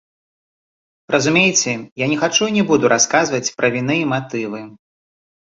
Разумееце, я не хачу і не буду расказваць пра віны і матывы.